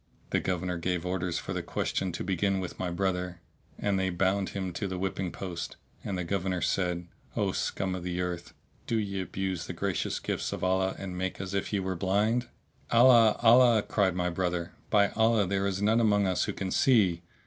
The Governor gave orders for the question to begin with my brother, and they bound him to the whipping post,[FN#655] and the Governor said, "O scum of the earth, do ye abuse the gracious gifts of Allah and make as if ye were blind!" "Allah! Allah!" cried my brother, "by Allah, there is none among us who can see."